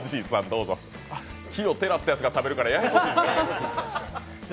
奇をてらったやつが食べるからややこしい。